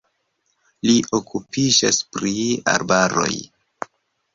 Li okupiĝas pri arbaroj.